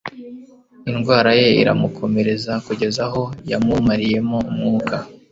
indwara ye iramukomereza kugeza aho yamumariyemo umwuka